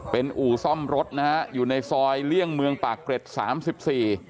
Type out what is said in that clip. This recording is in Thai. เป็นอู่ซ่อมรถนะฮะอยู่ในซอยเลี่ยงเมืองปากเกร็ดสามสิบสี่